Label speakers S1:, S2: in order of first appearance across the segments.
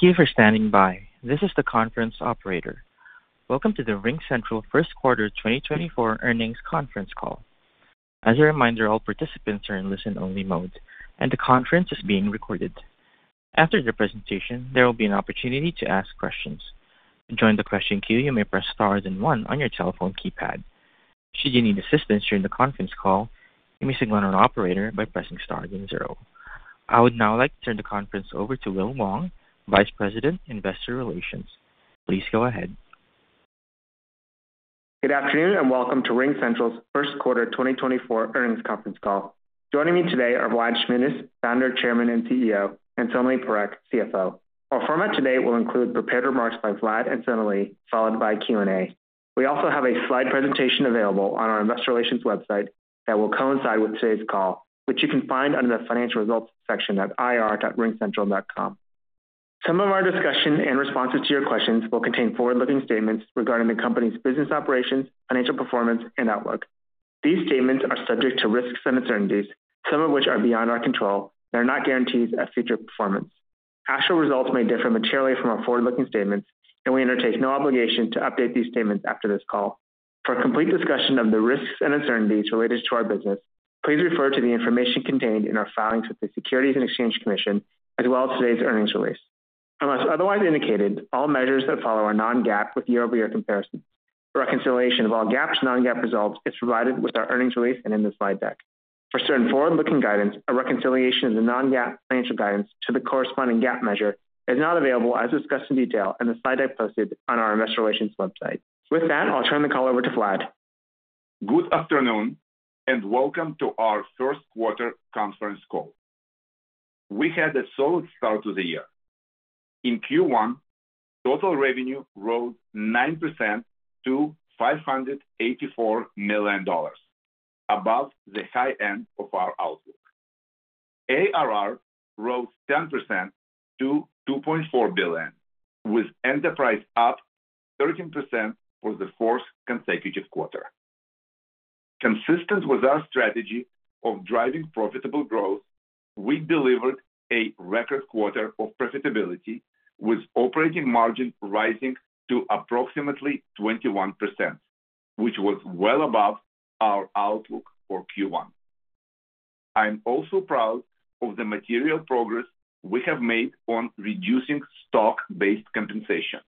S1: Thank you for standing by. This is the conference operator. Welcome to the RingCentral first quarter 2024 earnings conference call. As a reminder, all participants are in listen-only mode, and the conference is being recorded. After the presentation, there will be an opportunity to ask questions. To join the question queue, you may press star then one on your telephone keypad. Should you need assistance during the conference call, you may signal an operator by pressing star then zero. I would now like to turn the conference over to Will Wong, Vice President, Investor Relations. Please go ahead.
S2: Good afternoon and welcome to RingCentral's first quarter 2024 earnings conference call. Joining me today are Vlad Shmunis, Founder/Chairman and CEO, and Sonalee Parekh, CFO. Our format today will include prepared remarks by Vlad and Sonalee, followed by Q&A. We also have a slide presentation available on our Investor Relations website that will coincide with today's call, which you can find under the Financial Results section at ir.ringcentral.com. Some of our discussion and responses to your questions will contain forward-looking statements regarding the company's business operations, financial performance, and outlook. These statements are subject to risks and uncertainties, some of which are beyond our control, and are not guarantees of future performance. Actual results may differ materially from our forward-looking statements, and we undertake no obligation to update these statements after this call. For a complete discussion of the risks and uncertainties related to our business, please refer to the information contained in our filings with the Securities and Exchange Commission, as well as today's earnings release. Unless otherwise indicated, all measures that follow are non-GAAP with year-over-year comparisons. A reconciliation of all GAAP to non-GAAP results is provided with our earnings release and in the slide deck. For certain forward-looking guidance, a reconciliation of the non-GAAP financial guidance to the corresponding GAAP measure is not available as discussed in detail in the slide deck posted on our Investor Relations website. With that, I'll turn the call over to Vlad.
S3: Good afternoon and welcome to our first quarter conference call. We had a solid start to the year. In Q1, total revenue rose 9% to $584 million, above the high end of our outlook. ARR rose 10% to $2.4 billion, with enterprise up 13% for the fourth consecutive quarter. Consistent with our strategy of driving profitable growth, we delivered a record quarter of profitability, with operating margin rising to approximately 21%, which was well above our outlook for Q1. I'm also proud of the material progress we have made on reducing stock-based compensation,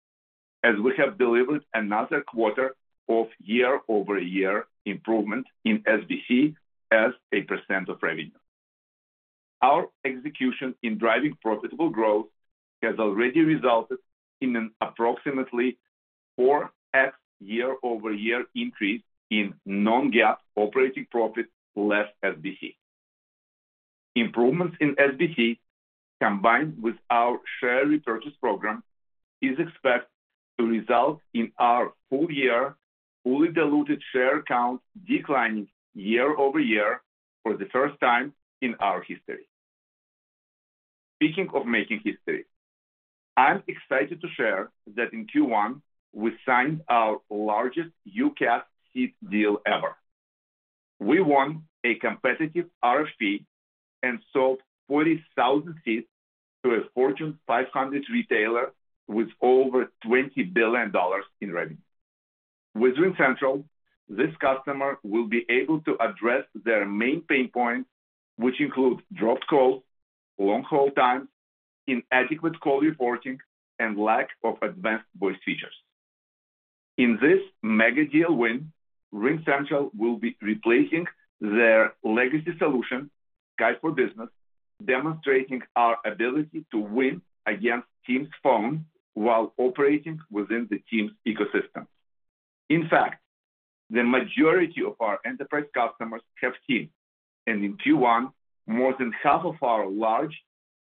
S3: as we have delivered another quarter of year-over-year improvement in SBC as a percent of revenue. Our execution in driving profitable growth has already resulted in an approximately 4x year-over-year increase in non-GAAP operating profit less SBC. Improvements in SBC, combined with our share repurchase program, are expected to result in our full-year fully diluted share count declining year-over-year for the first time in our history. Speaking of making history, I'm excited to share that in Q1, we signed our largest UCaaS seat deal ever. We won a competitive RFP and sold 40,000 seats to a Fortune 500 retailer with over $20 billion in revenue. With RingCentral, this customer will be able to address their main pain points, which include dropped calls, long hold times, inadequate call reporting, and lack of advanced voice features. In this mega deal win, RingCentral will be replacing their legacy solution, Skype for Business, demonstrating our ability to win against Teams Phone while operating within the Teams ecosystem. In fact, the majority of our enterprise customers have Teams. In Q1, more than half of our large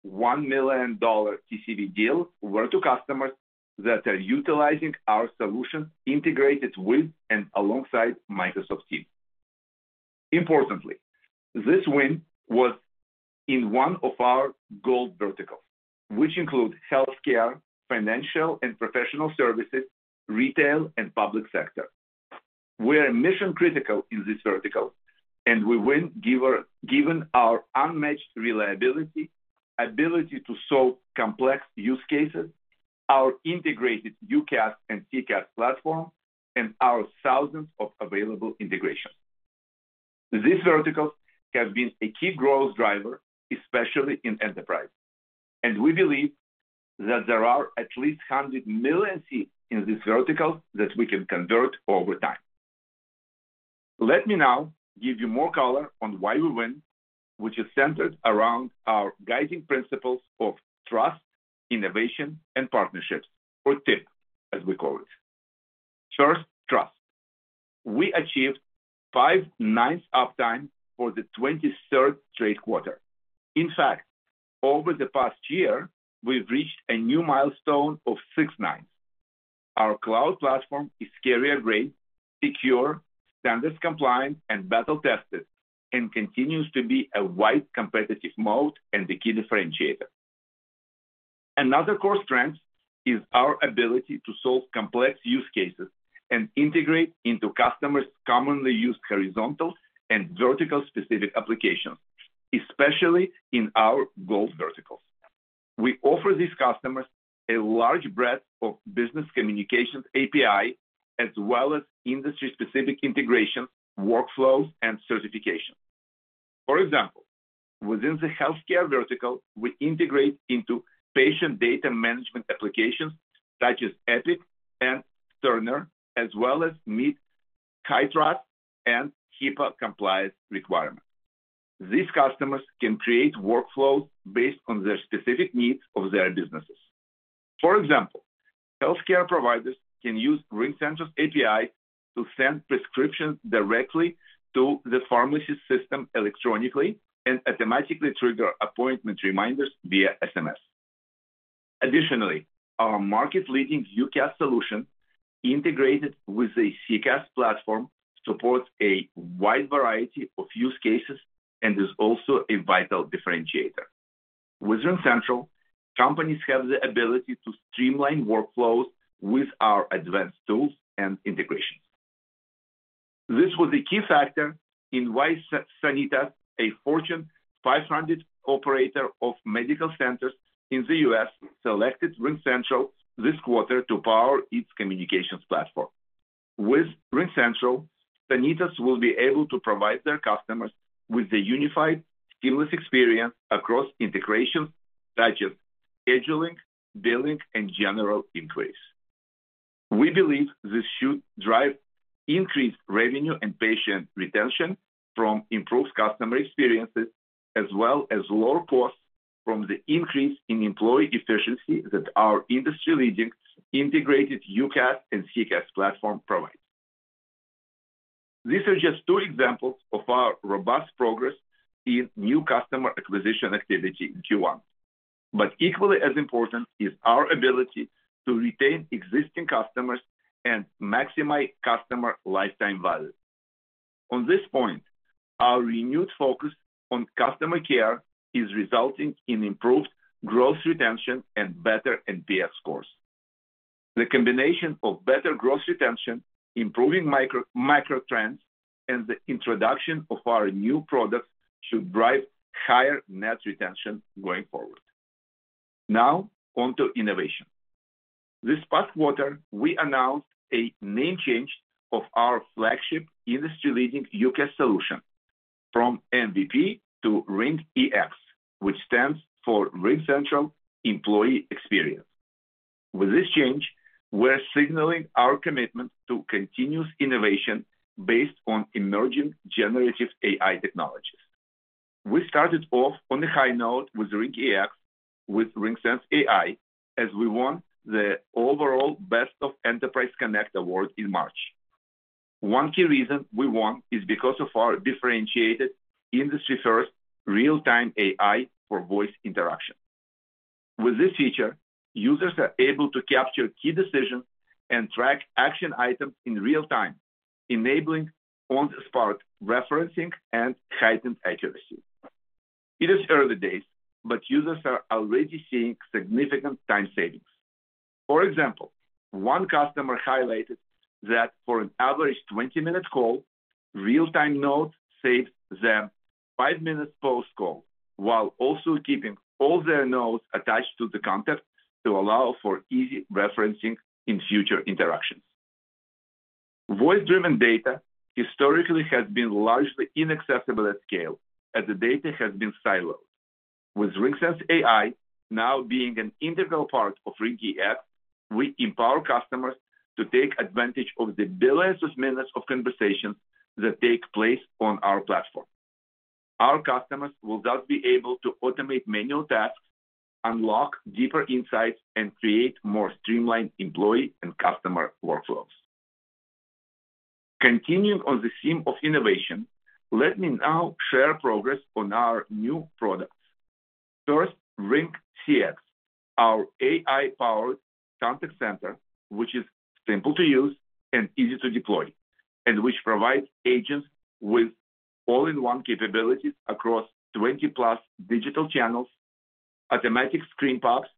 S3: $1 million TCV deals were to customers that are utilizing our solutions integrated with and alongside Microsoft Teams. Importantly, this win was in one of our gold verticals, which include healthcare, financial and professional services, retail, and public sector. We are mission-critical in these verticals, and we win given our unmatched reliability, ability to solve complex use cases, our integrated UCaaS and CCaaS platform, and our thousands of available integrations. These verticals have been a key growth driver, especially in enterprise. We believe that there are at least 100 million seats in these verticals that we can convert over time. Let me now give you more color on why we win, which is centered around our guiding principles of trust, innovation, and partnerships, or TIP, as we call it. First, trust. We achieved five nines uptime for the 23rd straight quarter. In fact, over the past year, we've reached a new milestone of six nines. Our cloud platform is carrier-grade, secure, standards-compliant, and battle-tested, and continues to be a wide competitive moat and the key differentiator. Another core strength is our ability to solve complex use cases and integrate into customers' commonly used horizontal and vertical-specific applications, especially in our gold verticals. We offer these customers a large breadth of business communications API, as well as industry-specific integrations, workflows, and certifications. For example, within the healthcare vertical, we integrate into patient data management applications such as Epic and Cerner, as well as meet high trust and HIPAA-compliance requirements. These customers can create workflows based on their specific needs of their businesses. For example, healthcare providers can use RingCentral's API to send prescriptions directly to the pharmacy system electronically and automatically trigger appointment reminders via SMS. Additionally, our market-leading UCaaS solution, integrated with a CCaaS platform, supports a wide variety of use cases and is also a vital differentiator. With RingCentral, companies have the ability to streamline workflows with our advanced tools and integrations. This was a key factor in why Sanitas, a Fortune 500 operator of medical centers in the U.S., selected RingCentral this quarter to power its communications platform. With RingCentral, Sanitas will be able to provide their customers with a unified, seamless experience across integrations such as scheduling, billing, and general inquiries. We believe this should drive increased revenue and patient retention from improved customer experiences, as well as lower costs from the increase in employee efficiency that our industry-leading integrated UCaaS and CCaaS platform provide. These are just two examples of our robust progress in new customer acquisition activity in Q1. But equally as important is our ability to retain existing customers and maximize customer lifetime value. On this point, our renewed focus on customer care is resulting in improved gross retention and better NPS scores. The combination of better gross retention, improving micro trends, and the introduction of our new products should drive higher net retention going forward. Now, onto innovation. This past quarter, we announced a name change of our flagship industry-leading UCaaS solution from MVP to RingEX, which stands for RingCentral Employee Experience. With this change, we're signaling our commitment to continuous innovation based on emerging generative AI technologies. We started off on a high note with RingEX, with RingSense AI, as we won the overall Best of Enterprise Connect Award in March. One key reason we won is because of our differentiated industry-first real-time AI for voice interaction. With this feature, users are able to capture key decisions and track action items in real time, enabling on-the-spot referencing and heightened accuracy. It is early days, but users are already seeing significant time savings. For example, one customer highlighted that for an average 20-minute call, real-time notes saved them five minutes post-call while also keeping all their notes attached to the contact to allow for easy referencing in future interactions. Voice-driven data historically has been largely inaccessible at scale as the data has been siloed. With RingSense AI now being an integral part of RingEX, we empower customers to take advantage of the billions of minutes of conversations that take place on our platform. Our customers will thus be able to automate manual tasks, unlock deeper insights, and create more streamlined employee and customer workflows. Continuing on the theme of innovation, let me now share progress on our new products. First, RingCX, our AI-powered contact center, which is simple to use and easy to deploy, and which provides agents with all-in-one capabilities across 20+ digital channels, automatic screen pops,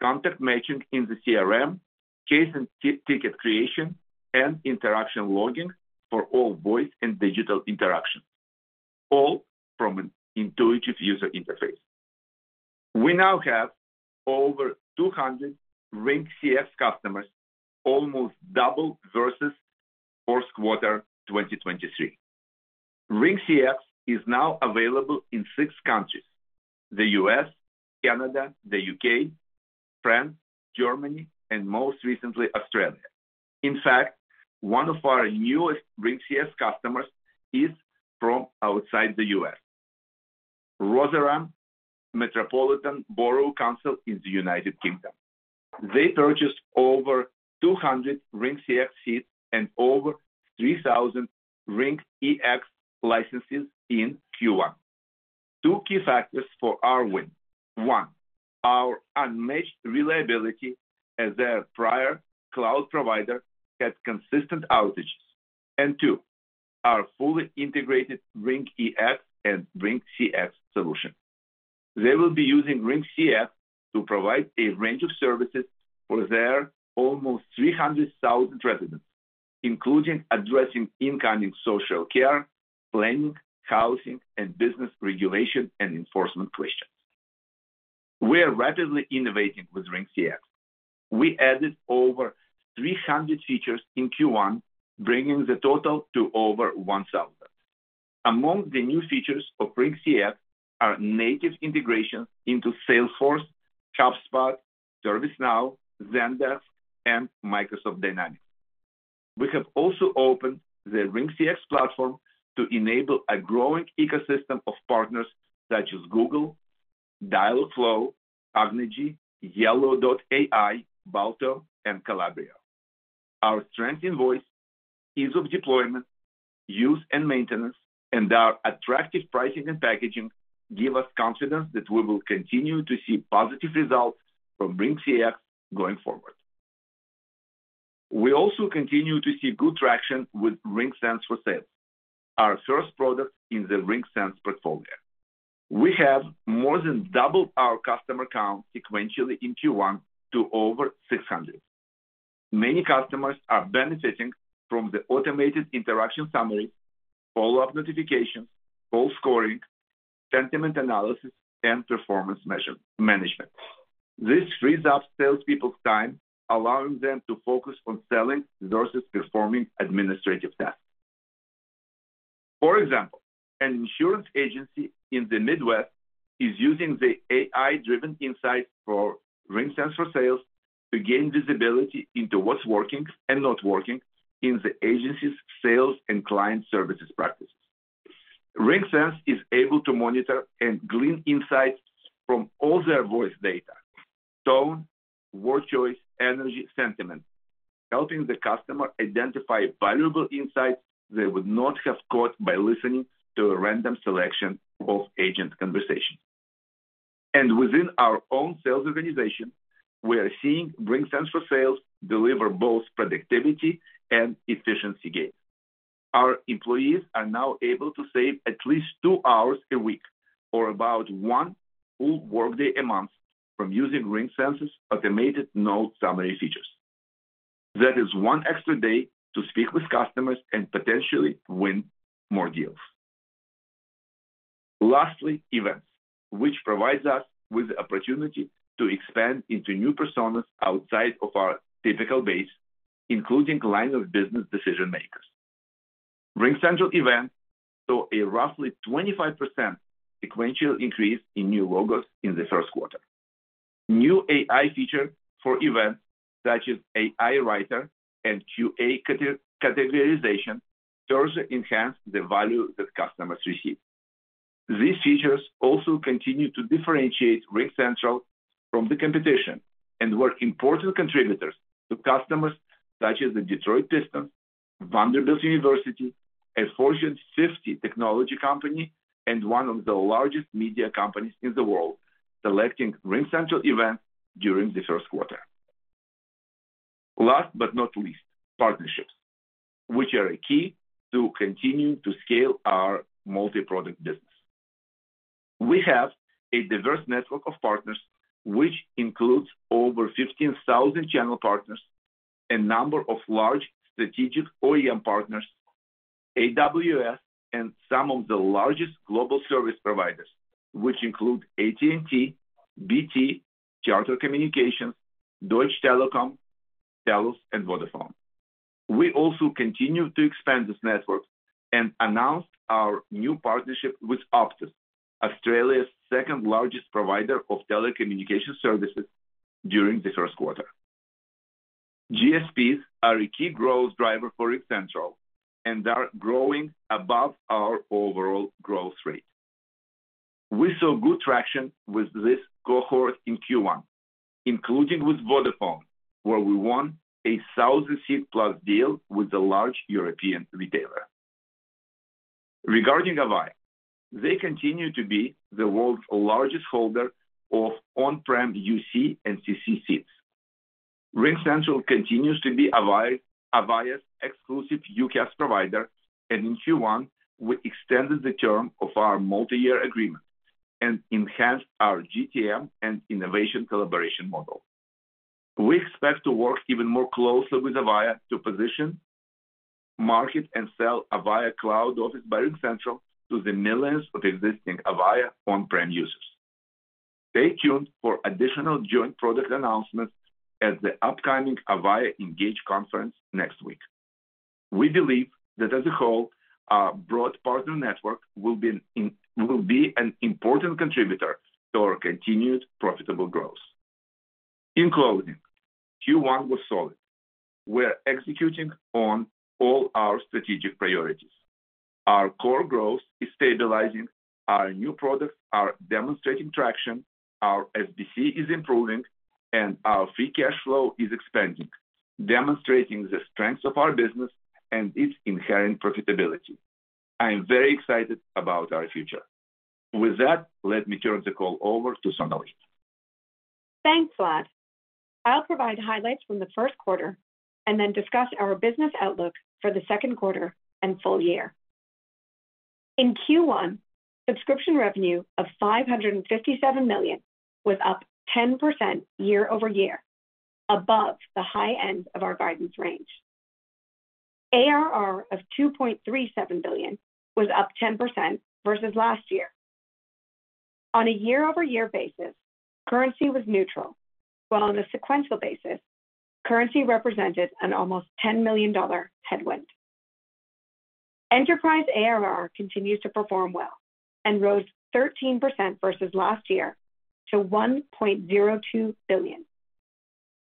S3: contact matching in the CRM, case and ticket creation, and interaction logging for all voice and digital interactions, all from an intuitive user interface. We now have over 200 RingCX customers, almost double versus first quarter 2023. RingCX is now available in six countries: the U.S., Canada, the U.K., France, Germany, and most recently, Australia. In fact, one of our newest RingCX customers is from outside the U.S.: Rotherham Metropolitan Borough Council in the United Kingdom. They purchased over 200 RingCX seats and over 3,000 RingEX licenses in Q1. Two key factors for our win: one, our unmatched reliability as their prior cloud provider had consistent outages, and two, our fully integrated RingEX and RingCX solution. They will be using RingCX to provide a range of services for their almost 300,000 residents, including addressing incoming social care, planning, housing, and business regulation and enforcement questions. We are rapidly innovating with RingCX. We added over 300 features in Q1, bringing the total to over 1,000. Among the new features of RingCX are native integrations into Salesforce, HubSpot, ServiceNow, Zendesk, and Microsoft Dynamics. We have also opened the RingCX platform to enable a growing ecosystem of partners such as Google, Dialogflow, Cognigy, Yellow.ai, Balto, and Calabrio. Our strength in voice, ease of deployment, use and maintenance, and our attractive pricing and packaging give us confidence that we will continue to see positive results from RingCX going forward. We also continue to see good traction with RingSense for Sales, our first product in the RingSense portfolio. We have more than doubled our customer count sequentially in Q1 to over 600. Many customers are benefiting from the automated interaction summaries, follow-up notifications, call scoring, sentiment analysis, and performance management. This frees up salespeople's time, allowing them to focus on selling versus performing administrative tasks. For example, an insurance agency in the Midwest is using the AI-driven insights for RingSense for Sales to gain visibility into what's working and not working in the agency's sales and client services practices. RingSense is able to monitor and glean insights from all their voice data: tone, word choice, energy, sentiment, helping the customer identify valuable insights they would not have caught by listening to a random selection of agent conversations. And within our own sales organization, we are seeing RingSense for Sales deliver both productivity and efficiency gains. Our employees are now able to save at least two hours a week or about one full workday a month from using RingSense's automated note summary features. That is one extra day to speak with customers and potentially win more deals. Lastly, events, which provide us with the opportunity to expand into new personas outside of our typical base, including line of business decision makers. RingCentral Events saw a roughly 25% sequential increase in new logos in the first quarter. New AI features for events such as AI writer and QA categorization further enhance the value that customers receive. These features also continue to differentiate RingCentral from the competition and were important contributors to customers such as the Detroit Pistons, Vanderbilt University, a Fortune 50 technology company, and one of the largest media companies in the world, selecting RingCentral Events during the first quarter. Last but not least, partnerships, which are a key to continue to scale our multi-product business. We have a diverse network of partners, which includes over 15,000 channel partners, a number of large strategic OEM partners, AWS, and some of the largest global service providers, which include AT&T, BT, Charter Communications, Deutsche Telekom, Telus, and Vodafone. We also continue to expand this network and announced our new partnership with Optus, Australia's second largest provider of telecommunication services, during the first quarter. GSPs are a key growth driver for RingCentral and are growing above our overall growth rate. We saw good traction with this cohort in Q1, including with Vodafone, where we won a 1,000-seat-plus deal with a large European retailer. Regarding Avaya, they continue to be the world's largest holder of on-prem UC and CC seats. RingCentral continues to be Avaya's exclusive UCaaS provider, and in Q1, we extended the term of our multi-year agreement and enhanced our GTM and innovation collaboration model. We expect to work even more closely with Avaya to position, market, and sell Avaya Cloud Office by RingCentral to the millions of existing Avaya on-prem users. Stay tuned for additional joint product announcements at the upcoming Avaya Engage conference next week. We believe that as a whole, our broad partner network will be an important contributor to our continued profitable growth. In closing, Q1 was solid. We're executing on all our strategic priorities. Our core growth is stabilizing. Our new products are demonstrating traction. Our SBC is improving, and our free cash flow is expanding, demonstrating the strengths of our business and its inherent profitability. I'm very excited about our future. With that, let me turn the call over to Sonalee.
S4: Thanks, Vlad. I'll provide highlights from the first quarter and then discuss our business outlook for the second quarter and full year. In Q1, subscription revenue of $557 million was up 10% year-over-year, above the high end of our guidance range. ARR of $2.37 billion was up 10% versus last year. On a year-over-year basis, currency was neutral, while on a sequential basis, currency represented an almost $10 million headwind. Enterprise ARR continues to perform well and rose 13% versus last year to $1.02 billion.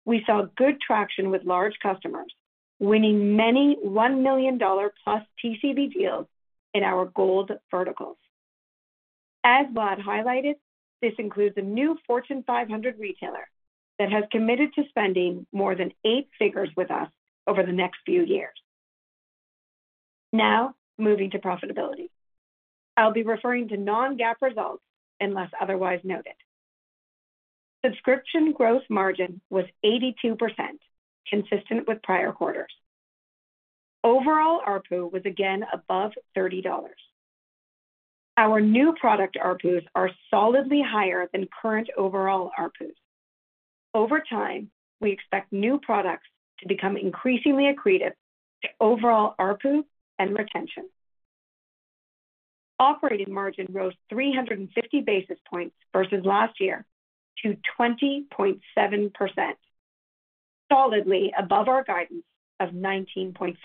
S4: We saw good traction with large customers, winning many $1 million-plus TCV deals in our gold verticals. As Vlad highlighted, this includes a new Fortune 500 retailer that has committed to spending more than eight figures with us over the next few years. Now, moving to profitability. I'll be referring to non-GAAP results unless otherwise noted. Subscription growth margin was 82%, consistent with prior quarters. Overall, ARPU was again above $30. Our new product ARPUs are solidly higher than current overall ARPUs. Over time, we expect new products to become increasingly accretive to overall ARPU and retention. Operating margin rose 350 basis points versus last year to 20.7%, solidly above our guidance of 19.5%.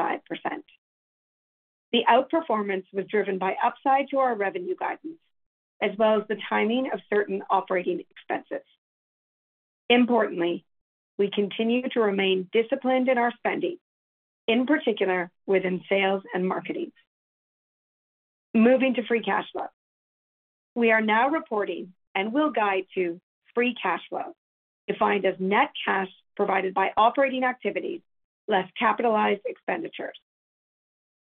S4: The outperformance was driven by upside to our revenue guidance, as well as the timing of certain operating expenses. Importantly, we continue to remain disciplined in our spending, in particular within sales and marketing. Moving to free cash flow. We are now reporting and will guide to free cash flow, defined as net cash provided by operating activities less capital expenditures.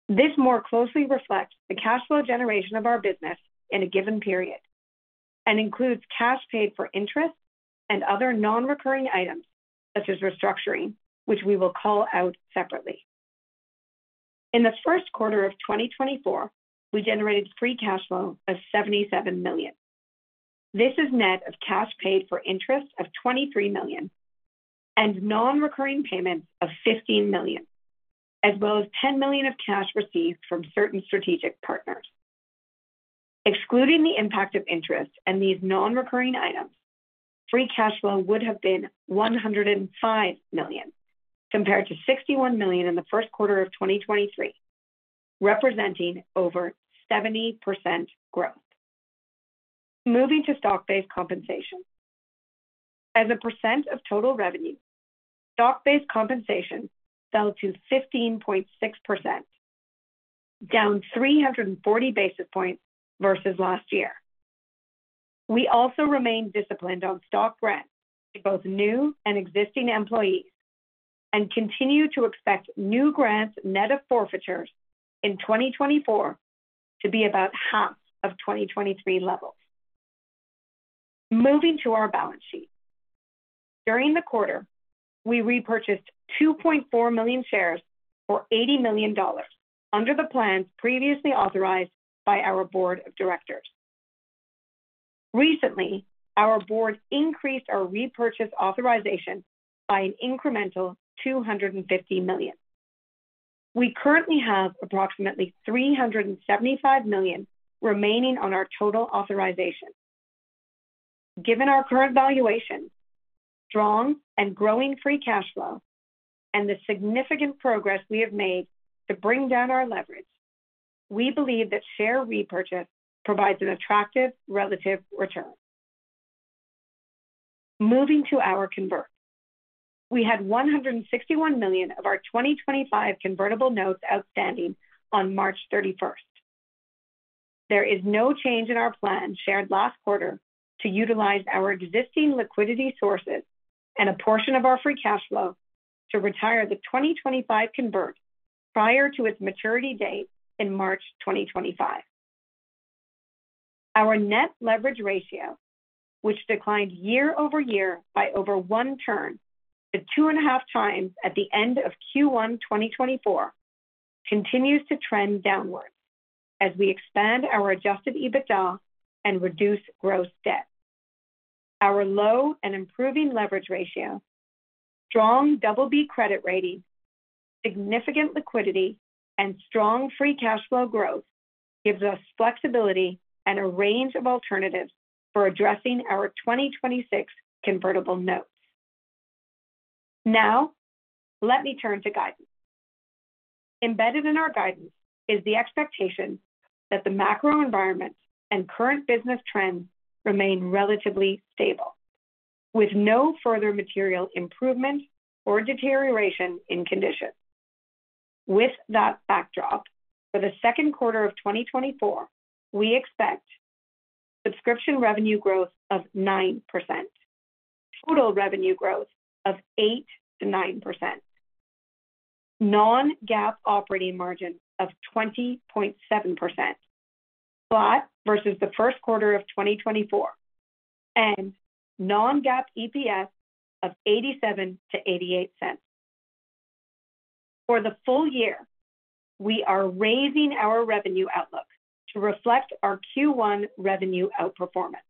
S4: This more closely reflects the cash flow generation of our business in a given period and includes cash paid for interest and other non-recurring items such as restructuring, which we will call out separately. In the first quarter of 2024, we generated free cash flow of $77 million. This is net of cash paid for interest of $23 million and non-recurring payments of $15 million, as well as $10 million of cash received from certain strategic partners. Excluding the impact of interest and these non-recurring items, free cash flow would have been $105 million compared to $61 million in the first quarter of 2023, representing over 70% growth. Moving to stock-based compensation. As a percent of total revenue, stock-based compensation fell to 15.6%, down 340 basis points versus last year. We also remain disciplined on stock grants to both new and existing employees and continue to expect new grants net of forfeitures in 2024 to be about half of 2023 levels. Moving to our balance sheet. During the quarter, we repurchased 2.4 million shares for $80 million under the plans previously authorized by our board of directors. Recently, our board increased our repurchase authorization by an incremental $250 million. We currently have approximately $375 million remaining on our total authorization. Given our current valuation, strong and growing free cash flow, and the significant progress we have made to bring down our leverage, we believe that share repurchase provides an attractive relative return. Moving to our converts. We had $161 million of our 2025 convertible notes outstanding on March 31st. There is no change in our plan shared last quarter to utilize our existing liquidity sources and a portion of our free cash flow to retire the 2025 convert prior to its maturity date in March 2025. Our net leverage ratio, which declined year-over-year by over one turn to 2.5x at the end of Q1 2024, continues to trend downwards as we expand our adjusted EBITDA and reduce gross debt. Our low and improving leverage ratio, strong BB credit rating, significant liquidity, and strong free cash flow growth gives us flexibility and a range of alternatives for addressing our 2026 convertible notes. Now, let me turn to guidance. Embedded in our guidance is the expectation that the macro environment and current business trends remain relatively stable, with no further material improvement or deterioration in conditions. With that backdrop, for the second quarter of 2024, we expect subscription revenue growth of 9%, total revenue growth of 8%-9%, non-GAAP operating margin of 20.7%, flat versus the first quarter of 2024, and non-GAAP EPS of $0.87-$0.88. For the full year, we are raising our revenue outlook to reflect our Q1 revenue outperformance.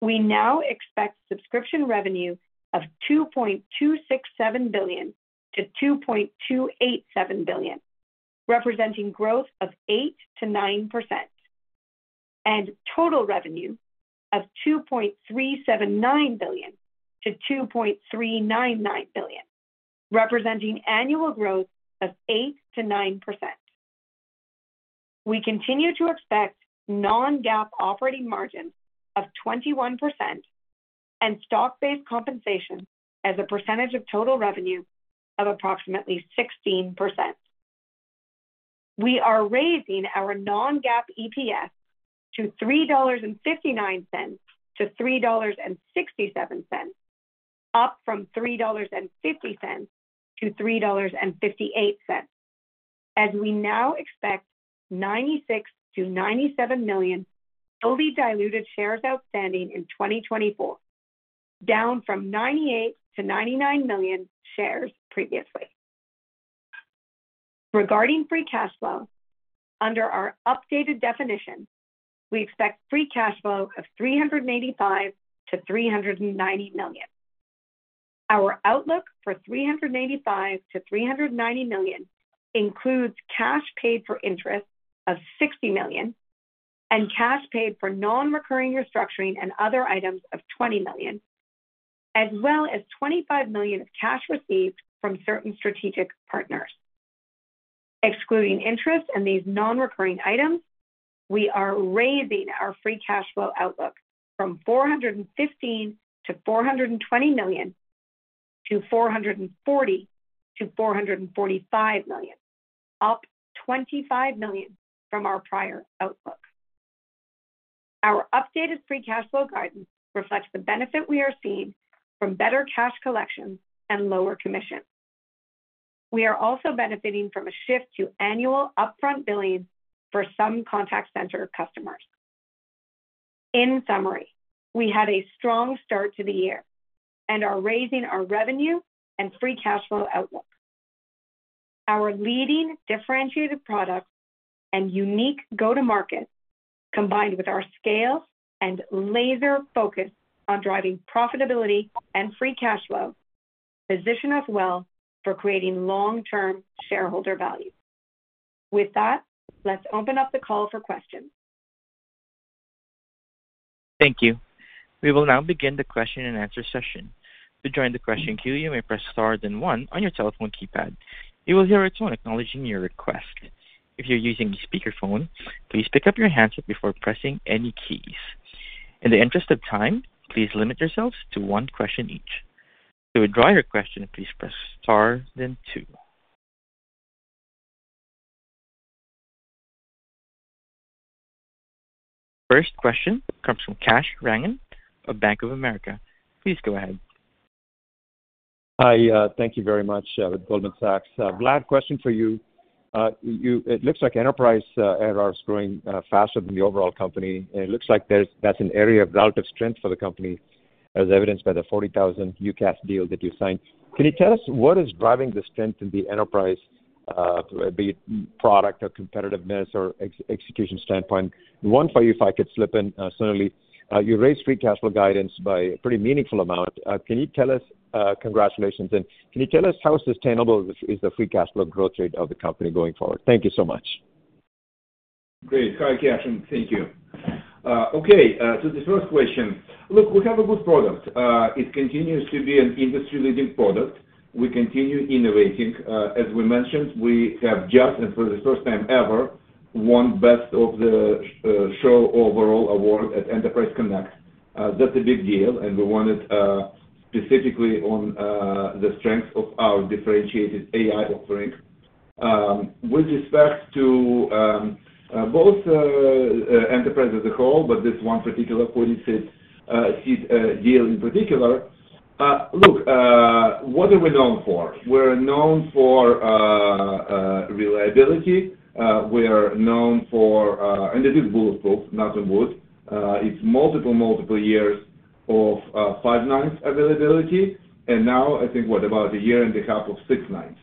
S4: We now expect subscription revenue of $2.267 billion-$2.287 billion, representing growth of 8%-9%, and total revenue of $2.379 billion-$2.399 billion, representing annual growth of 8%-9%. We continue to expect non-GAAP operating margin of 21% and stock-based compensation as a percentage of total revenue of approximately 16%. We are raising our non-GAAP EPS to $3.59-$3.67, up from $3.50-$3.58, as we now expect 96 million-97 million fully diluted shares outstanding in 2024, down from 98 million-99 million shares previously. Regarding free cash flow, under our updated definition, we expect free cash flow of $385 million-$390 million. Our outlook for $385 million-$390 million includes cash paid for interest of $60 million and cash paid for non-recurring restructuring and other items of $20 million, as well as $25 million of cash received from certain strategic partners. Excluding interest and these non-recurring items, we are raising our free cash flow outlook from $415 million-$420 million to $440 million-$445 million, up $25 million from our prior outlook. Our updated free cash flow guidance reflects the benefit we are seeing from better cash collection and lower commissions. We are also benefiting from a shift to annual upfront billing for some contact center customers. In summary, we had a strong start to the year and are raising our revenue and free cash flow outlook. Our leading differentiated products and unique go-to-market, combined with our scale and laser focus on driving profitability and free cash flow, position us well for creating long-term shareholder value. With that, let's open up the call for questions.
S1: Thank you. We will now begin the question-and-answer session. To join the question queue, you may press star then one on your telephone keypad. You will hear a tone acknowledging your request. If you're using a speakerphone, please pick up your handset before pressing any keys. In the interest of time, please limit yourselves to one question each. To withdraw your question, please press star then two. First question comes from Kash Rangan of Bank of America. Please go ahead.
S5: Hi. Thank you very much, Goldman Sachs. Vlad, question for you. It looks like enterprise ARR is growing faster than the overall company, and it looks like that's an area of relative strength for the company, as evidenced by the $40,000 UCaaS deal that you signed. Can you tell us what is driving the strength in the enterprise, be it product or competitiveness or execution standpoint? One for you, if I could slip in, Sonalee. You raised free cash flow guidance by a pretty meaningful amount. Can you tell us, congratulations, and can you tell us how sustainable is the free cash flow growth rate of the company going forward? Thank you so much.
S3: Great. Hi, Kash. Thank you. Okay. To the first question. Look, we have a good product. It continues to be an industry-leading product. We continue innovating. As we mentioned, we have just and for the first time ever won Best of the Show Overall Award at Enterprise Connect. That's a big deal, and we won it specifically on the strengths of our differentiated AI offering. With respect to both enterprises as a whole, but this one particular 40-seat deal in particular, look, what are we known for? We're known for reliability. We're known for and this is bulletproof, knock on wood. It's multiple, multiple years of five nines availability. And now, I think, what, about a year and a half of six nines.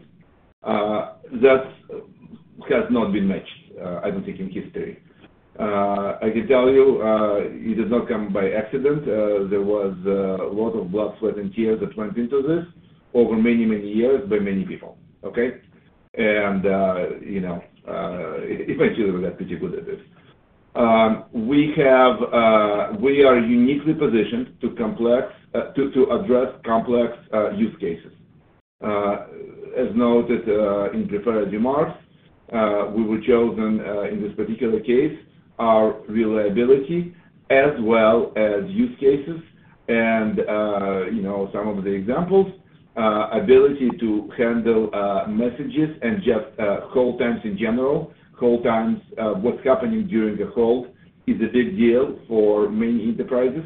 S3: That has not been matched, I don't think, in history. I can tell you it did not come by accident. There was a lot of blood, sweat, and tears that went into this over many, many years by many people, okay? Eventually, we got pretty good at this. We are uniquely positioned to address complex use cases. As noted in prepared remarks, we were chosen in this particular case, our reliability as well as use cases. Some of the examples, ability to handle messages and just call times in general, call times, what's happening during a hold is a big deal for many enterprises.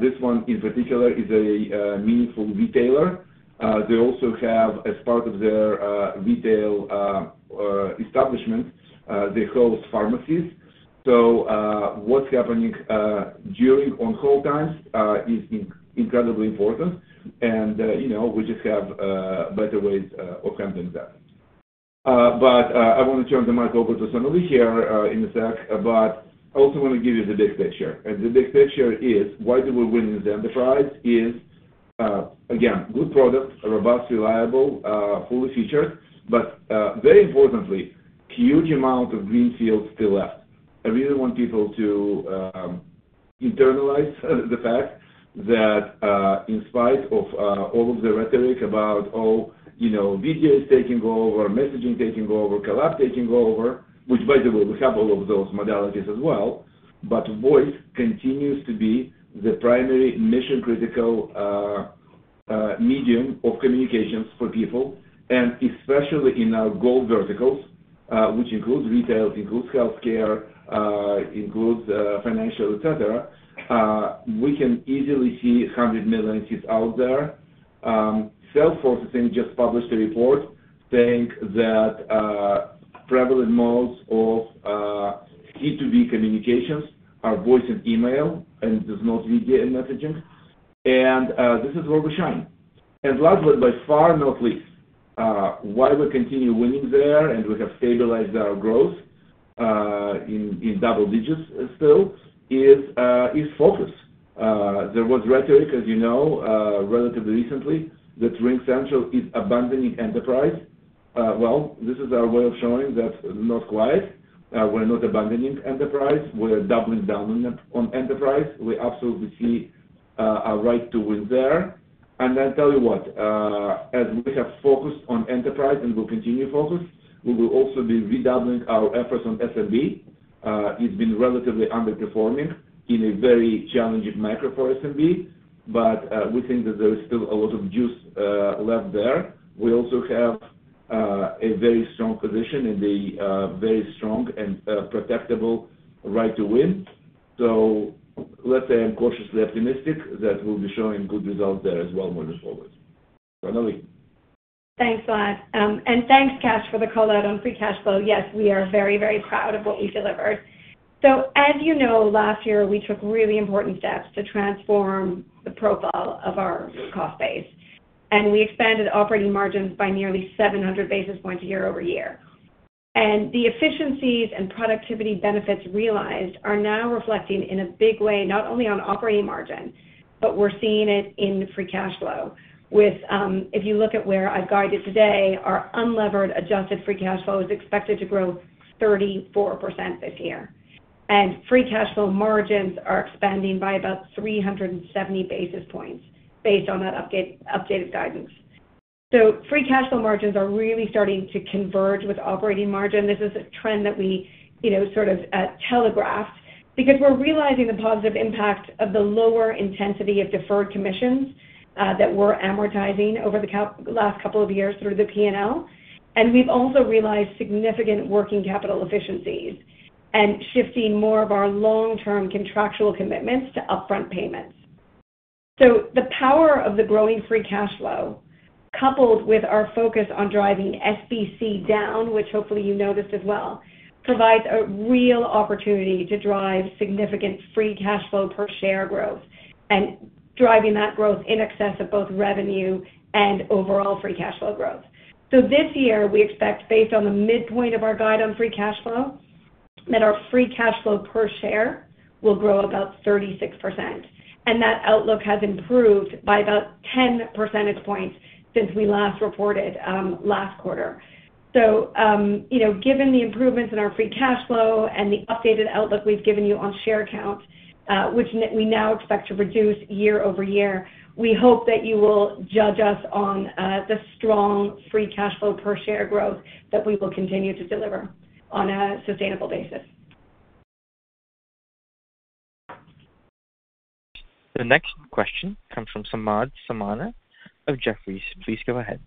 S3: This one in particular is a meaningful retailer. They also have, as part of their retail establishment, they host pharmacies. So what's happening during on-call times is incredibly important, and we just have better ways of handling that. I want to turn the mic over to Sonalee here in a sec, but I also want to give you the big picture. And the big picture is why do we win in this enterprise is, again, good product, robust, reliable, fully featured, but very importantly, huge amount of greenfield still left. I really want people to internalize the fact that in spite of all of the rhetoric about: Oh, video is taking over, messaging taking over, collab taking over, which, by the way, we have all of those modalities as well, but voice continues to be the primary mission-critical medium of communications for people. And especially in our gold verticals, which includes retail, includes healthcare, includes financial, etc., we can easily see 100 million seats out there. Salesforce I think just published a report saying that prevalent modes of C2B communications are voice and email and does not video and messaging. And this is where we shine. And last but by far not least, why we continue winning there and we have stabilized our growth in double digits still is focus. There was rhetoric, as you know, relatively recently, that RingCentral is abandoning enterprise. Well, this is our way of showing that not quite. We're not abandoning enterprise. We're doubling down on enterprise. We absolutely see our right to win there. And I'll tell you what. As we have focused on enterprise and we'll continue focus, we will also be redoubling our efforts on SMB. It's been relatively underperforming in a very challenging macro for SMB, but we think that there is still a lot of juice left there. We also have a very strong position and a very strong and protectable right to win. So let's say I'm cautiously optimistic that we'll be showing good results there as well moving forward. Sonalee.
S4: Thanks, Vlad. And thanks, Kash, for the call out on free cash flow. Yes, we are very, very proud of what we delivered. So as you know, last year, we took really important steps to transform the profile of our cost base, and we expanded operating margins by nearly 700 basis points year-over-year. And the efficiencies and productivity benefits realized are now reflecting in a big way not only on operating margin, but we're seeing it in free cash flow. If you look at where I've guided today, our unlevered adjusted free cash flow is expected to grow 34% this year. And free cash flow margins are expanding by about 370 basis points based on that updated guidance. So free cash flow margins are really starting to converge with operating margin. This is a trend that we sort of telegraphed because we're realizing the positive impact of the lower intensity of deferred commissions that we're amortizing over the last couple of years through the P&L. And we've also realized significant working capital efficiencies and shifting more of our long-term contractual commitments to upfront payments. So the power of the growing free cash flow, coupled with our focus on driving SBC down, which hopefully you noticed as well, provides a real opportunity to drive significant free cash flow per share growth and driving that growth in excess of both revenue and overall free cash flow growth. So this year, we expect, based on the midpoint of our guide on free cash flow, that our free cash flow per share will grow about 36%. And that outlook has improved by about 10 percentage points since we last reported last quarter. So given the improvements in our free cash flow and the updated outlook we've given you on share counts, which we now expect to reduce year-over-year, we hope that you will judge us on the strong free cash flow per share growth that we will continue to deliver on a sustainable basis.
S1: The next question comes from Samad Samana of Jefferies. Please go ahead.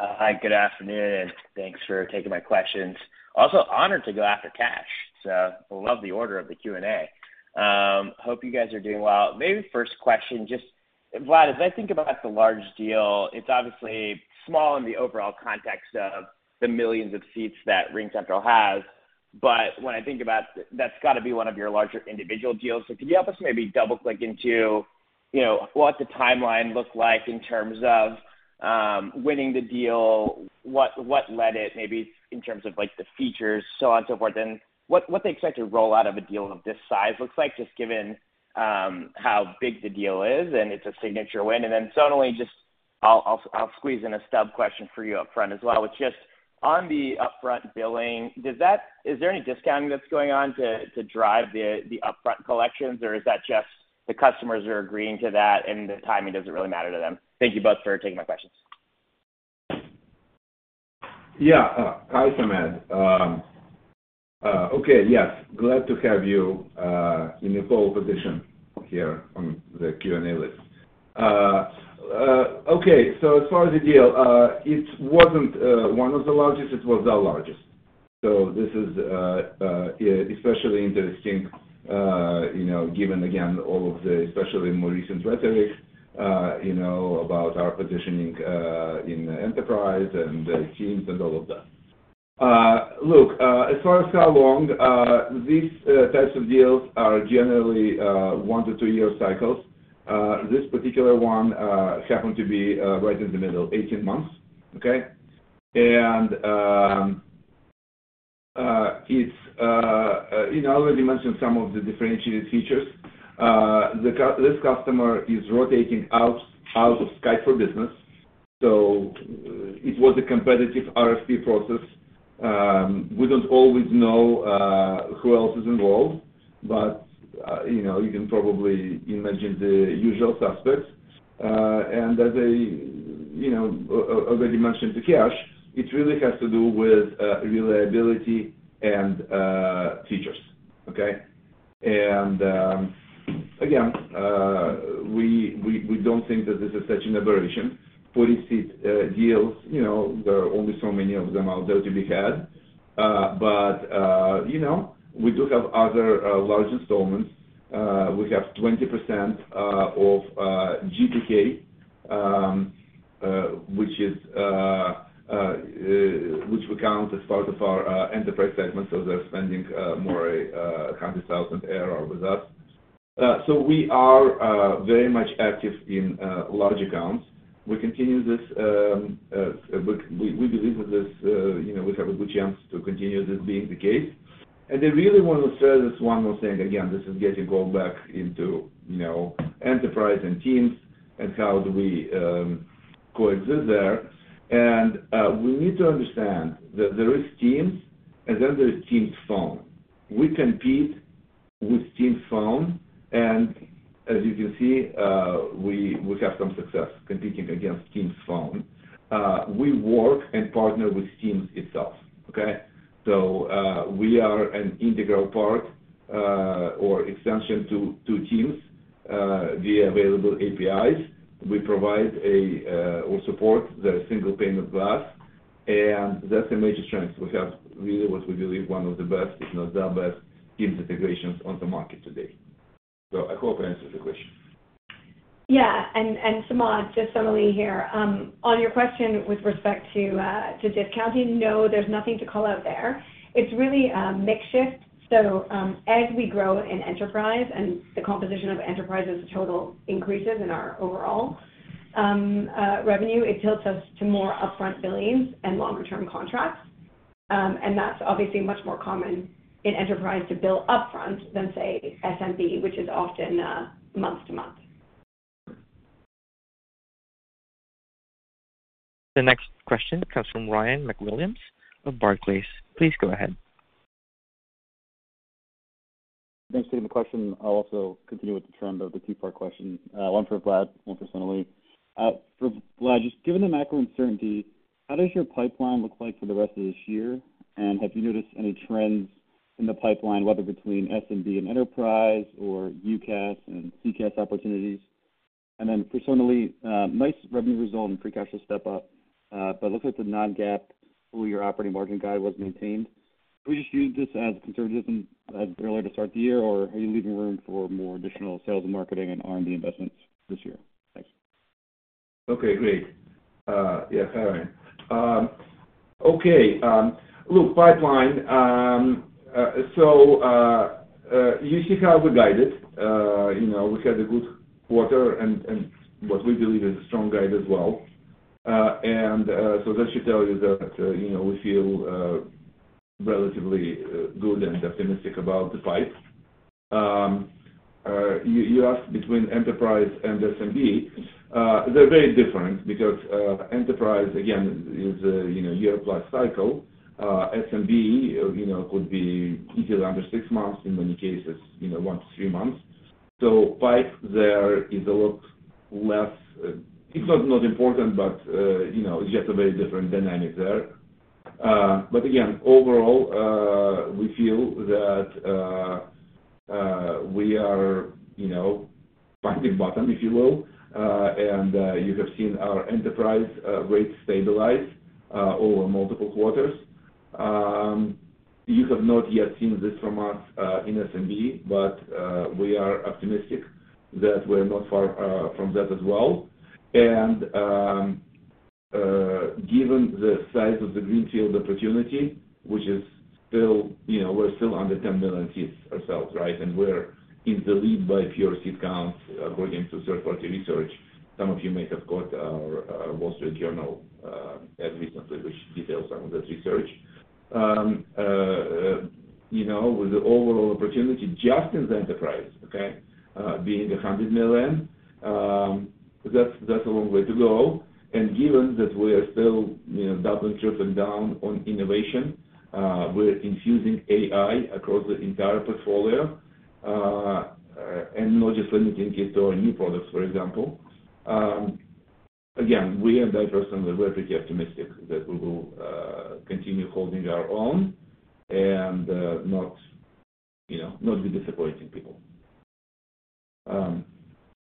S6: Hi. Good afternoon, and thanks for taking my questions. Also, honored to go after Kash, so love the order of the Q&A. Hope you guys are doing well. Maybe first question, just Vlad, as I think about the large deal, it's obviously small in the overall context of the millions of seats that RingCentral has. But when I think about that, that's got to be one of your larger individual deals. So could you help us maybe double-click into what the timeline looked like in terms of winning the deal, what led it, maybe in terms of the features, so on and so forth, and what they expect to roll out of a deal of this size looks like, just given how big the deal is and it's a signature win? And then, Sonalee, just I'll squeeze in a stub question for you up front as well. It's just on the upfront billing, is there any discounting that's going on to drive the upfront collections, or is that just the customers are agreeing to that and the timing doesn't really matter to them? Thank you both for taking my questions.
S3: Yeah. Hi, Samad. Okay. Yes. Glad to have you in the pole position here on the Q&A list. Okay. So as far as the deal, it wasn't one of the largest. It was our largest. So this is especially interesting given, again, all of the especially more recent rhetoric about our positioning in enterprise and teams and all of that. Look, as far as how long, these types of deals are generally one-to two-year cycles. This particular one happened to be right in the middle, 18 months, okay? And it's already mentioned some of the differentiated features. This customer is rotating out of Skype for Business. So it was a competitive RFP process. We don't always know who else is involved, but you can probably imagine the usual suspects. And as I already mentioned to Kash, it really has to do with reliability and features, okay? And again, we don't think that this is such an aberration. 40-seat deals, there are only so many of them out there to be had. But we do have other large installments. We have 20% of G2K, which we count as part of our enterprise segment. So they're spending more than $100,000 ARR with us. So we are very much active in large accounts. We continue this. We believe in this. We have a good chance to continue this being the case. And I really want to stress this one more thing. Again, this is getting all back into enterprise and Teams and how do we coexist there. And we need to understand that there is Teams, and then there is Teams Phone. We compete with Teams Phone. And as you can see, we have some success competing against Teams Phone. We work and partner with Teams itself, okay? So we are an integral part or extension to Teams via available APIs. We provide or support the single pane of glass. And that's a major strength. We have really what we believe one of the best, if not the best, Teams integrations on the market today. So I hope I answered the question.
S4: Yeah. And Samad, just Sonalee here. On your question with respect to discounting, no, there's nothing to call out there. It's really a mix shift. So as we grow in enterprise and the composition of enterprise total increases in our overall revenue, it tilts us to more upfront billings and longer-term contracts. And that's obviously much more common in enterprise to bill upfront than, say, SMB, which is often month to month.
S1: The next question comes from Ryan McWilliams of Barclays. Please go ahead.
S7: Thanks for getting the question. I'll also continue with the trend of the two-part question. One for Vlad, one for Sonalee. Vlad, just given the macro uncertainty, how does your pipeline look like for the rest of this year? And have you noticed any trends in the pipeline, whether between SMB and enterprise or UCaaS and CCaaS opportunities? And then for Sonalee, nice revenue result and free cash will step up, but it looks like the non-GAAP full-year operating margin guide was maintained. Can we just use this as a conservatism as earlier to start the year, or are you leaving room for more additional sales and marketing and R&D investments this year? Thanks.
S3: Okay. Great. Yeah. Fair enough. Okay. Look, pipeline. So you see how we guided. We had a good quarter, and what we believe is a strong guide as well. And so that should tell you that we feel relatively good and optimistic about the pipe. You asked between enterprise and SMB. They're very different because enterprise, again, is a year-plus cycle. SMB could be easily under six months, in many cases, one to three months. So pipe there is a lot less, it's not important, but it's just a very different dynamic there. But again, overall, we feel that we are finding bottom, if you will. And you have seen our enterprise rate stabilize over multiple quarters. You have not yet seen this from us in SMB, but we are optimistic that we're not far from that as well. Given the size of the greenfield opportunity, which is still, we're still under 10 million seats ourselves, right? And we're in the lead by pure seat counts according to third-party research. Some of you may have got our Wall Street Journal ad recently, which details some of that research. With the overall opportunity just in the enterprise, okay, being 100 million, that's a long way to go. And given that we are still doubling, tripling down on innovation, we're infusing AI across the entire portfolio and not just limiting it to our new products, for example. Again, we and I personally, we're pretty optimistic that we will continue holding our own and not be disappointing people.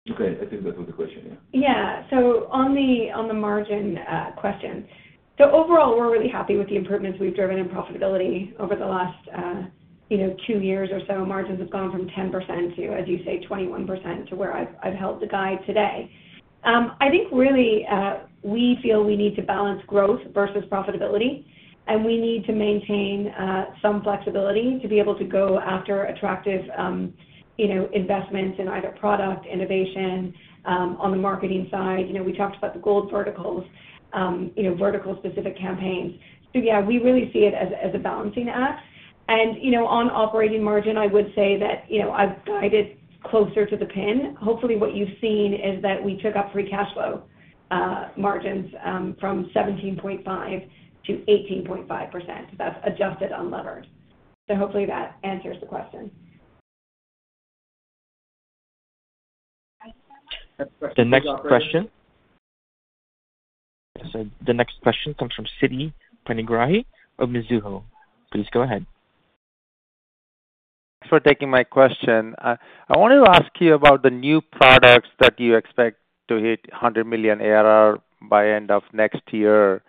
S3: Okay. I think that was the question. Yeah.
S4: Yeah. So on the margin question, so overall, we're really happy with the improvements we've driven in profitability over the last two years or so. Margins have gone from 10% to, as you say, 21% to where I've held the guide today. I think really, we feel we need to balance growth versus profitability, and we need to maintain some flexibility to be able to go after attractive investments in either product, innovation, on the marketing side. We talked about the gold verticals, vertical-specific campaigns. So yeah, we really see it as a balancing act. And on operating margin, I would say that I've guided closer to the pin. Hopefully, what you've seen is that we took up free cash flow margins from 17.5%-18.5%. That's adjusted, unlevered. So hopefully, that answers the question.
S1: The next question comes from Siti Panigrahi of Mizuho. Please go ahead.
S8: Thanks for taking my question. I wanted to ask you about the new products that you expect to hit $100 million ARR by end of next year.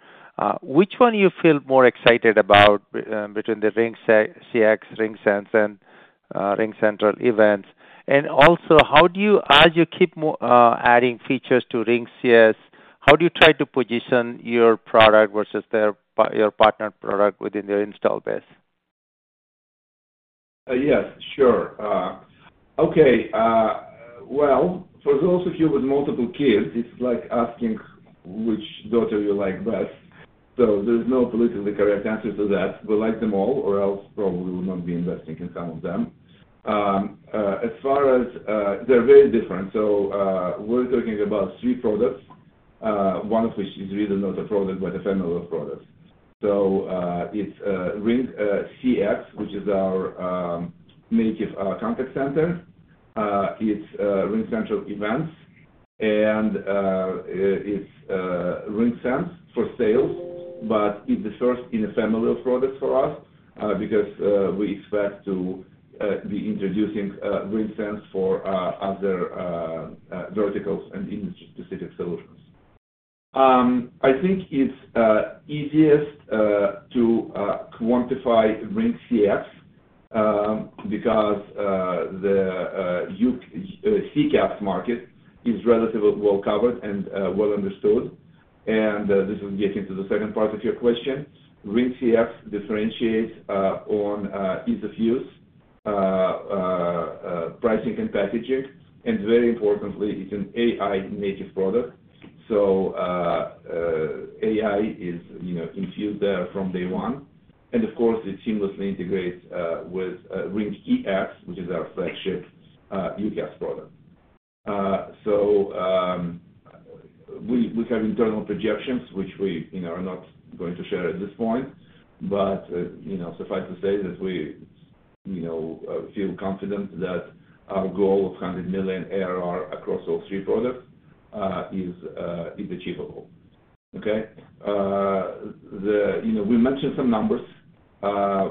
S8: Which one do you feel more excited about between the RingCX, RingSense, and RingCentral Events? And also, as you keep adding features to RingCX, how do you try to position your product versus your partner product within their install base?
S3: Yes. Sure. Okay. Well, for those of you with multiple kids, it's like asking which daughter you like best. So there is no politically correct answer to that. We like them all, or else probably we would not be investing in some of them. As far as they're very different. So we're talking about three products, one of which is really not a product but a family of products. So it's RingCX, which is our native contact center. It's RingCentral Events. And it's RingSense for Sales, but it's the first in a family of products for us because we expect to be introducing RingSense for other verticals and industry-specific solutions. I think it's easiest to quantify RingCX because the CCaaS market is relatively well covered and well understood. And this is getting to the second part of your question. RingCX differentiates on ease of use, pricing, and packaging. Very importantly, it's an AI-native product. So AI is infused there from day one. And of course, it seamlessly integrates with RingCX, which is our flagship UCaaS product. So we have internal projections, which we are not going to share at this point. But suffice to say that we feel confident that our goal of $100 million ARR across all three products is achievable, okay? We mentioned some numbers.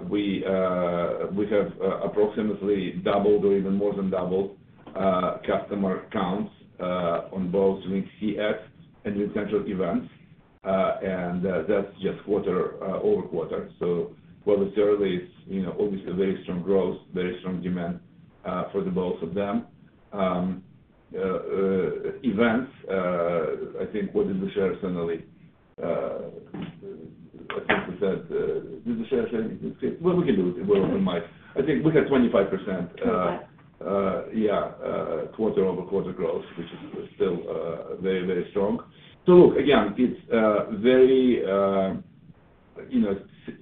S3: We have approximately doubled or even more than doubled customer counts on both RingCX and RingCentral Events. And that's just quarter-over-quarter. So what we said earlier is obviously very strong growth, very strong demand for both of them. Events, I think what did we share, Sonalee? I think we said did we share anything? Well, we can do it. We're open mic. I think we had 25%.
S4: 25%.
S3: Yeah. Quarter-over-quarter growth, which is still very, very strong. So look, again, it's very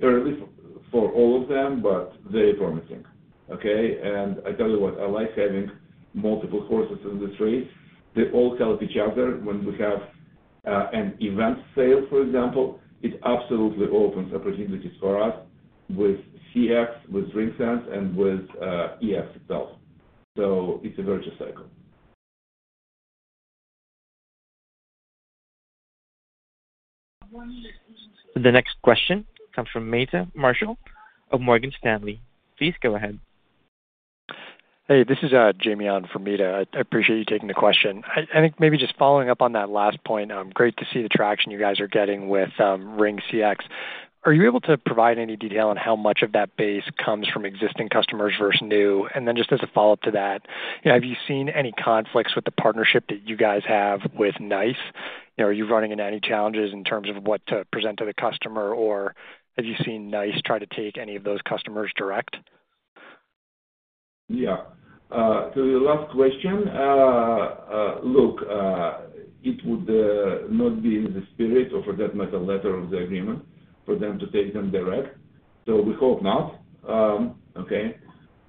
S3: early for all of them, but very promising, okay? And I tell you what, I like having multiple horses in this race. They all help each other. When we have an event sale, for example, it absolutely opens opportunities for us with CX, with RingSense, and with EX itself. So it's a virtuous cycle.
S1: The next question comes from Meta Marshall of Morgan Stanley. Please go ahead.
S9: Hey. This is Jamie on for Meta. I appreciate you taking the question. I think maybe just following up on that last point, great to see the traction you guys are getting with RingCX. Are you able to provide any detail on how much of that base comes from existing customers versus new? And then just as a follow-up to that, have you seen any conflicts with the partnership that you guys have with NICE? Are you running into any challenges in terms of what to present to the customer? Or have you seen NICE try to take any of those customers direct?
S3: Yeah. To the last question, look, it would not be in the spirit of, for that matter, letter of the agreement for them to take them direct. So we hope not, okay?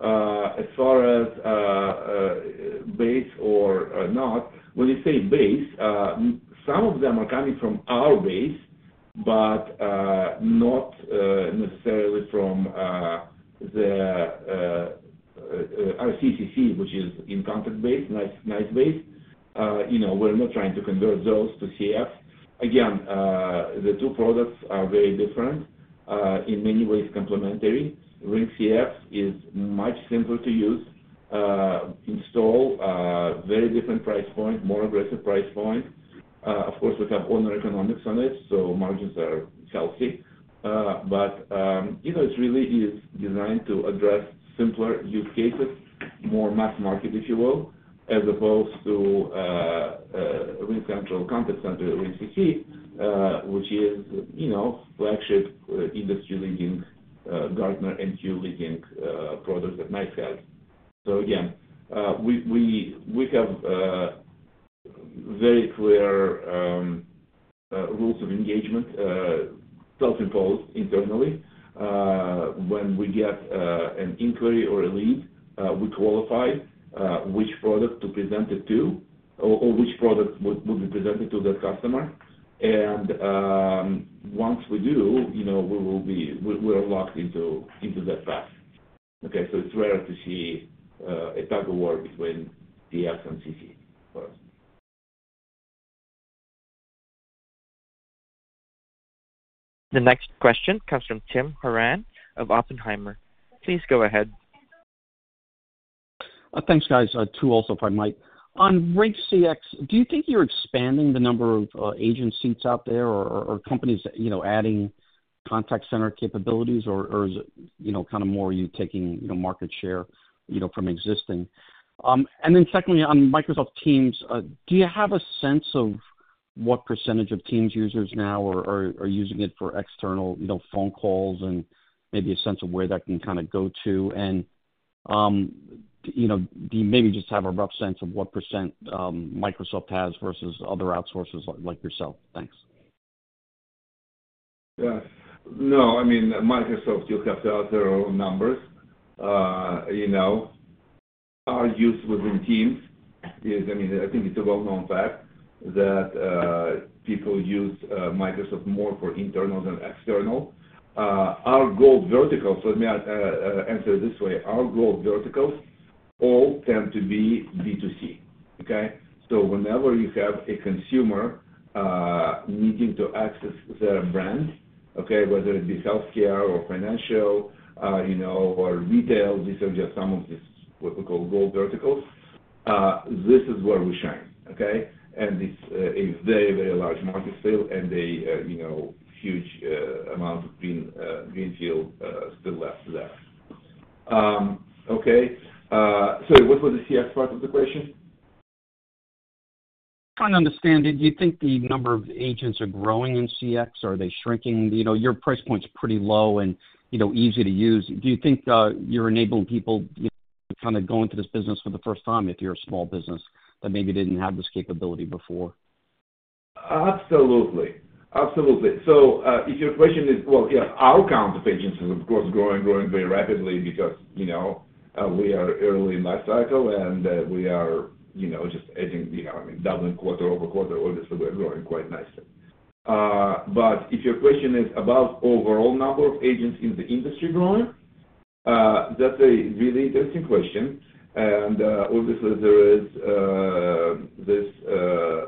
S3: As far as base or not, when you say base, some of them are coming from our base but not necessarily from the RCC, which is inContact base, NICE base. We're not trying to convert those to CX. Again, the two products are very different, in many ways, complementary. RingCX is much simpler to use, install, very different price point, more aggressive price point. Of course, we have our own economics on it, so margins are healthy. But it really is designed to address simpler use cases, more mass market, if you will, as opposed to RingCentral Contact Center, RingCC, which is flagship, industry-leading, Gartner MQ-leading products that NICE has. So again, we have very clear rules of engagement self-imposed internally. When we get an inquiry or a lead, we qualify which product to present it to or which product would be presented to that customer. And once we do, we will be locked into that path, okay? So it's rare to see a tug-of-war between DX and CC for us.
S1: The next question comes from Tim Horan of Oppenheimer. Please go ahead.
S10: Thanks, guys. Too also, if I might. On RingCX, do you think you're expanding the number of agent seats out there or companies adding contact center capabilities, or is it kind of more you taking market share from existing? And then secondly, on Microsoft Teams, do you have a sense of what percentage of Teams users now are using it for external phone calls and maybe a sense of where that can kind of go to? And do you maybe just have a rough sense of what percent Microsoft has versus other outsourcers like yourself? Thanks.
S3: Yeah. No. I mean, Microsoft, you'll have to have their own numbers. Our use within Teams is, I mean, I think it's a well-known fact that people use Microsoft more for internal than external. Our gold verticals, let me answer it this way. Our gold verticals all tend to be B2C, okay? So whenever you have a consumer needing to access their brand, okay, whether it be healthcare or financial or retail, these are just some of these what we call gold verticals. This is where we shine, okay? And it's a very, very large market still, and a huge amount of greenfield still left there, okay? Sorry. What was the CX part of the question?
S10: Trying to understand. Do you think the number of agents are growing in CX, or are they shrinking? Your price point's pretty low and easy to use. Do you think you're enabling people kind of going to this business for the first time if you're a small business that maybe didn't have this capability before?
S3: Absolutely. Absolutely. So if your question is well, yeah, our count of agents is, of course, growing, growing very rapidly because we are early in life cycle, and we are just adding I mean, doubling quarter-over-quarter. Obviously, we're growing quite nicely. But if your question is about overall number of agents in the industry growing, that's a really interesting question. And obviously, there is this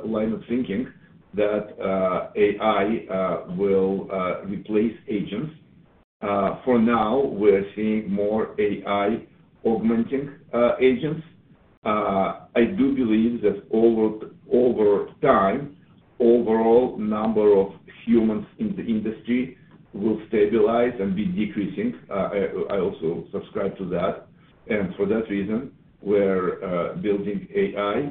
S3: line of thinking that AI will replace agents. For now, we're seeing more AI augmenting agents. I do believe that over time, overall number of humans in the industry will stabilize and be decreasing. I also subscribe to that. And for that reason, we're building AI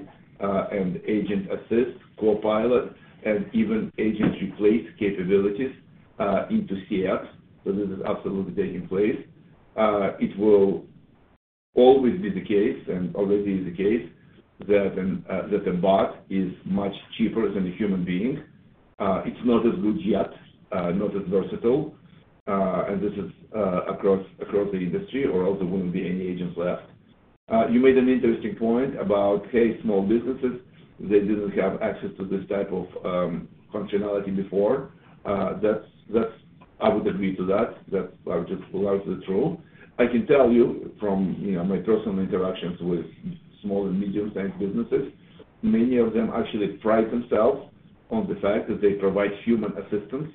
S3: and agent assist, co-pilot, and even agent replace capabilities into CX. So this is absolutely taking place. It will always be the case and already is the case that a bot is much cheaper than a human being. It's not as good yet, not as versatile. And this is across the industry, or else there wouldn't be any agents left. You made an interesting point about: Hey, small businesses, they didn't have access to this type of functionality before. I would agree to that. That's largely true. I can tell you from my personal interactions with small and medium-sized businesses, many of them actually pride themselves on the fact that they provide human assistance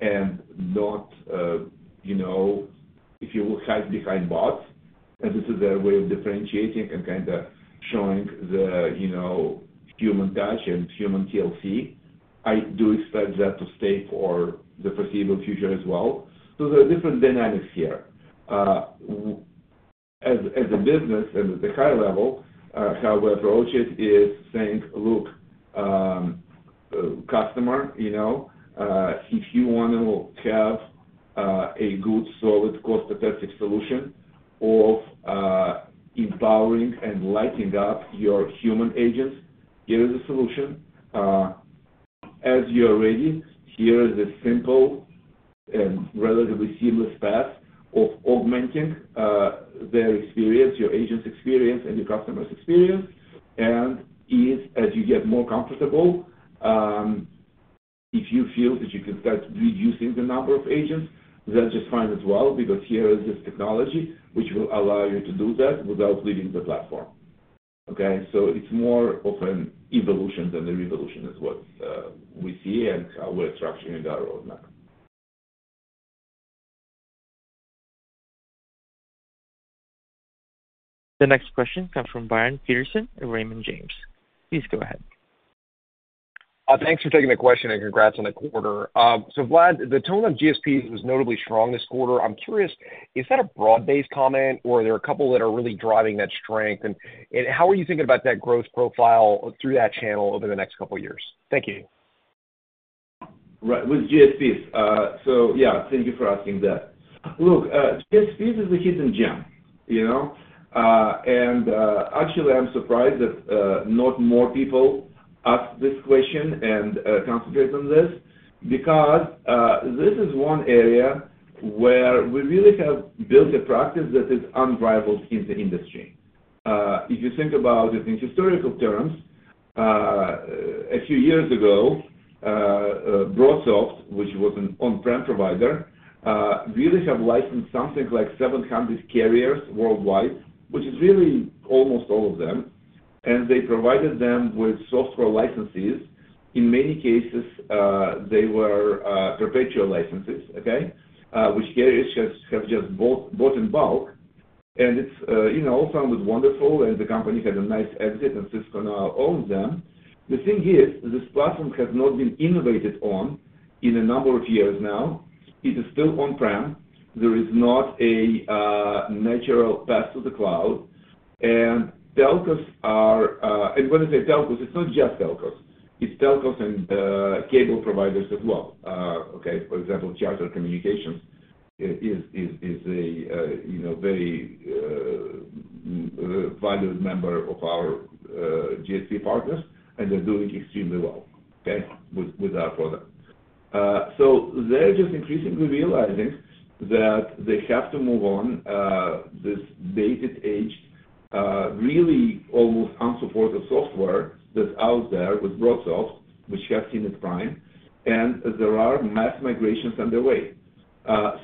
S3: and not, if you will, hide behind bots. And this is their way of differentiating and kind of showing the human touch and human TLC. I do expect that to stay for the foreseeable future as well. So there are different dynamics here. As a business and at the high level, how we approach it is saying: Look, customer, if you want to have a good, solid, cost-effective solution of empowering and lighting up your human agents, here is a solution. As you're ready, here is a simple and relatively seamless path of augmenting their experience, your agent's experience, and your customer's experience. And as you get more comfortable, if you feel that you can start reducing the number of agents, that's just fine as well because here is this technology which will allow you to do that without leaving the platform, okay?" So it's more of an evolution than a revolution is what we see and how we're structuring our roadmap.
S1: The next question comes from Brian Peterson of Raymond James. Please go ahead.
S11: Thanks for taking the question, and congrats on the quarter. So Vlad, the tone of GSPs was notably strong this quarter. I'm curious, is that a broad-based comment, or are there a couple that are really driving that strength? And how are you thinking about that growth profile through that channel over the next couple of years? Thank you.
S3: Right. With GSPs. So yeah, thank you for asking that. Look, GSPs is a hidden gem. And actually, I'm surprised that not more people ask this question and concentrate on this because this is one area where we really have built a practice that is unrivaled in the industry. If you think about it in historical terms, a few years ago, BroadSoft, which was an on-prem provider, really have licensed something like 700 carriers worldwide, which is really almost all of them. And they provided them with software licenses. In many cases, they were perpetual licenses, okay, which carriers have just bought in bulk. And it all sounded wonderful, and the company had a nice exit, and Cisco now owns them. The thing is, this platform has not been innovated on in a number of years now. It is still on-prem. There is not a natural path to the cloud. Telcos are, and when I say telcos, it's not just telcos. It's telcos and cable providers as well, okay? For example, Charter Communications is a very valued member of our GSP partners, and they're doing extremely well, okay, with our product. So they're just increasingly realizing that they have to move on this digital age, really almost unsupported software that's out there with BroadSoft, which have seen its prime. And there are mass migrations underway.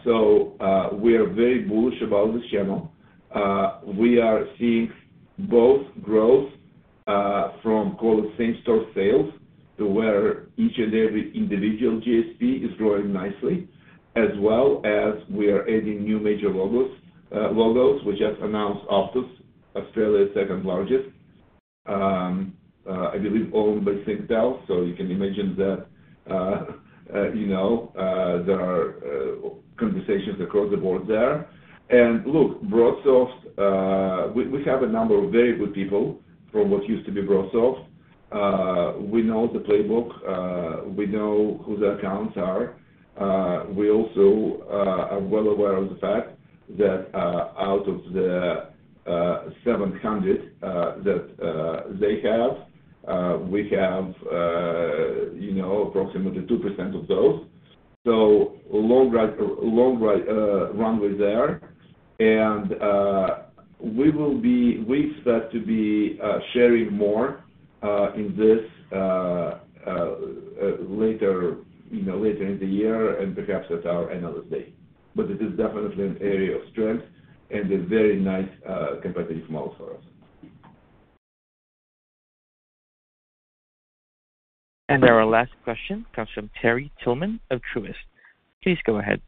S3: So we are very bullish about this channel. We are seeing both growth from, call it, same-store sales to where each and every individual GSP is growing nicely, as well as we are adding new major logos, which have announced Optus, Australia's second largest, I believe, owned by Singtel. So you can imagine that there are conversations across the board there. Look, BroadSoft, we have a number of very good people from what used to be BroadSoft. We know the playbook. We know who their accounts are. We also are well aware of the fact that out of the 700 that they have, we have approximately 2% of those. So long runway there. And we will be we expect to be sharing more in this later in the year and perhaps at our analyst day. But it is definitely an area of strength and a very nice competitive model for us.
S1: Our last question comes from Terry Tillman of Truist. Please go ahead.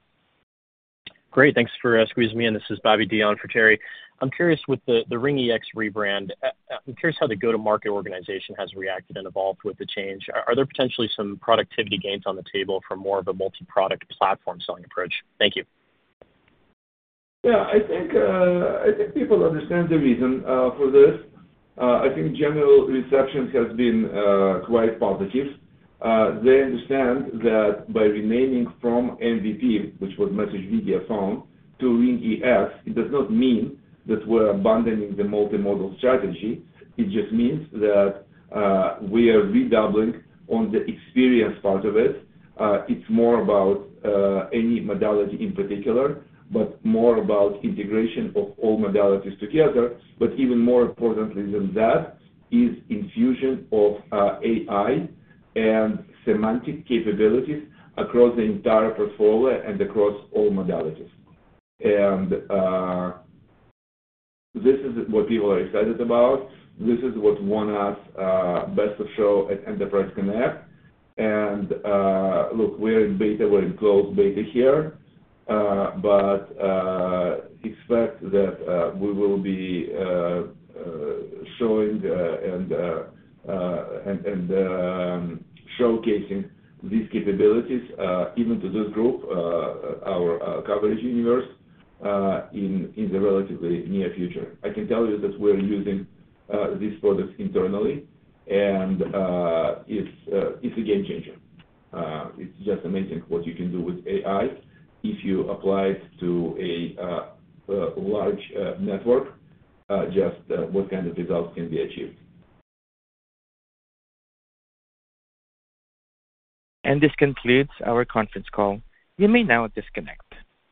S12: Great. Thanks for squeezing me in. This is Bobby Dee on for Terry. I'm curious, with the RingEX rebrand, I'm curious how the go-to-market organization has reacted and evolved with the change. Are there potentially some productivity gains on the table from more of a multi-product platform selling approach? Thank you.
S3: Yeah. I think people understand the reason for this. I think general reception has been quite positive. They understand that by remaining from MVP, which was Message Video Phone, to RingEX, it does not mean that we're abandoning the multimodal strategy. It just means that we are redoubling on the experience part of it. It's more about any modality in particular but more about integration of all modalities together. But even more importantly than that is infusion of AI and semantic capabilities across the entire portfolio and across all modalities. And this is what people are excited about. This is what won us Best of Show at Enterprise Connect. And look, we're in beta. We're in closed beta here. But expect that we will be showing and showcasing these capabilities even to this group, our coverage universe, in the relatively near future. I can tell you that we're using these products internally, and it's a game-changer. It's just amazing what you can do with AI if you apply it to a large network, just what kind of results can be achieved.
S1: This concludes our conference call. You may now disconnect.